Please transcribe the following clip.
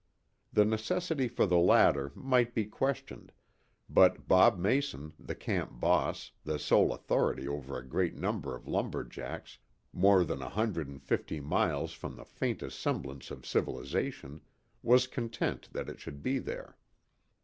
The necessity for the latter might be questioned, but Bob Mason, the camp "boss," the sole authority over a great number of lumber jacks, more than a hundred and fifty miles from the faintest semblance of civilization, was content that it should be there.